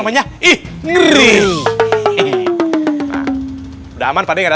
wah keren banget